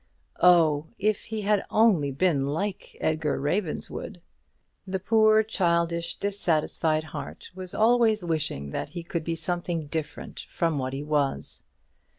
Oh, if he had only been like Edgar Ravenswood! The poor, childish, dissatisfied heart was always wishing that he could be something different from what he was.